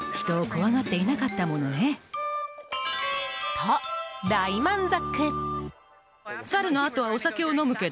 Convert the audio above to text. と、大満足！